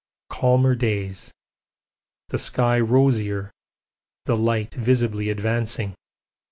Calmer days: the sky rosier: the light visibly advancing.